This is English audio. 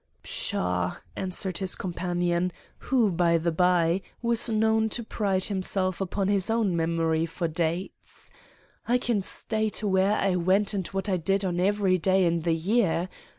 "'Pshaw!' answered his companion, who, by the by, was known to pride himself upon his own memory for dates, 'I can state where I went and what I did on every day in the year.